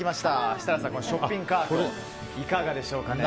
設楽さん、ショッピングカートいかがでしょうかね。